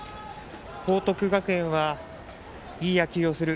報徳学園はいい野球をする。